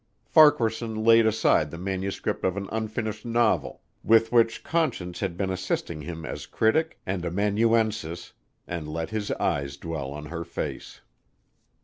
Farquaharson laid aside the manuscript of an unfinished novel, with which Conscience had been assisting him as critic and amanuensis, and let his eyes dwell on her face.